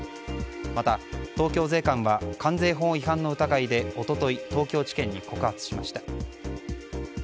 また、東京税関は関税法違反の疑いで一昨日東京地検に告発しました。